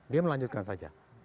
dia melanjutkan saja